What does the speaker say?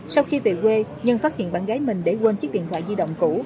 sau khi về quê nhân phát hiện bạn gái mình để quên chiếc điện thoại di động cũ